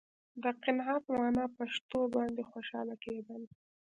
د قناعت معنا په شتو باندې خوشاله کېدل.